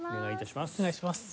お願いします。